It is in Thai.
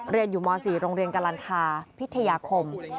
เรียนอยู่ม๔โรงเรียนกลันทาพิทยาคม